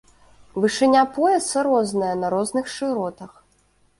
Вышыня пояса розная на розных шыротах.